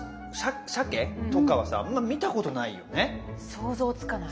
想像つかない。